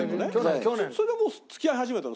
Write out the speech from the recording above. それでもう付き合い始めたの？